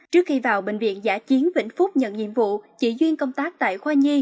trước khi vào bệnh viện giả chiến vĩnh phúc nhận nhiệm vụ chị duyên công tác tại khoa nhi